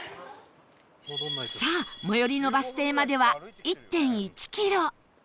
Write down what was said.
さあ最寄りのバス停までは １．１ キロ